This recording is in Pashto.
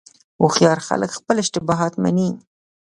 هوښیار خلک خپل اشتباهات مني.